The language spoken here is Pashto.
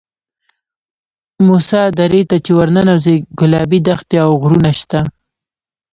موسی درې ته چې ورننوځې ګلابي دښتې او غرونه شته.